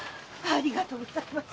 ありがとうございます。